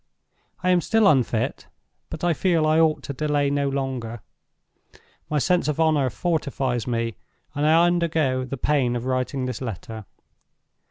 I am still unfit, but I feel I ought to delay no longer. My sense of honor fortifies me, and I undergo the pain of writing this letter.